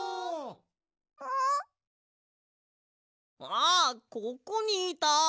あここにいた！